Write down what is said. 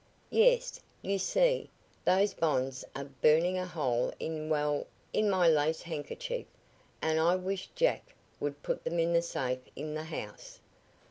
"Yes. You see, those bonds are burning a hole in well, in my lace handkerchief, and I wish Jack would put them in the safe in the house."